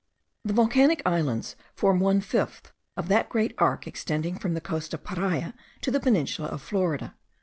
The volcanic islands form one fifth of that great arc extending from the coast of Paria to the peninsula of Florida.